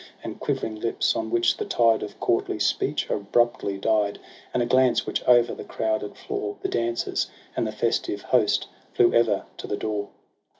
And quivering lips on which the tide Of courtly speech abruptly died, TRISTRAM AND ISEULT. 215 And a glance which over the crowded floor, The dancers, and the festive host, Flew ever to the door.